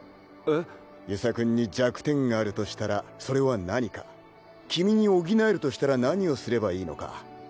遊佐君に弱点があるとしたらそれ君に補えるとしたら何をすればいいのか。